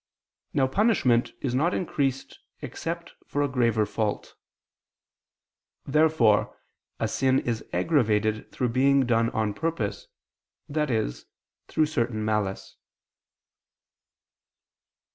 Now punishment is not increased except for a graver fault. Therefore a sin is aggravated through being done on purpose, i.e. through certain malice.